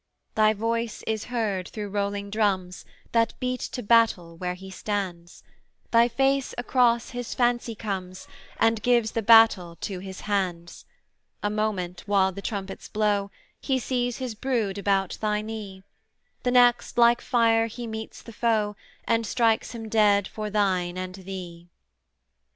Thy voice is heard through rolling drums, That beat to battle where he stands; Thy face across his fancy comes, And gives the battle to his hands: A moment, while the trumpets blow, He sees his brood about thy knee; The next, like fire he meets the foe, And strikes him dead for thine and thee.